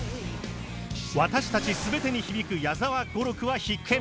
私たち全てに響く矢沢語録は必見！